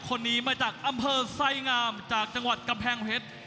คนนี้มาจากอำเภอไสงามจากจังหวัดกำแพงเพชร